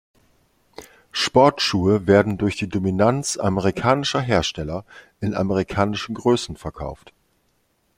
Sportschuhe werden durch die Dominanz amerikanischer Hersteller in amerikanischen Größen verkauft.